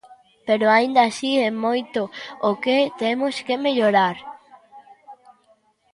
Pero, aínda así, é moito o que temos que mellorar.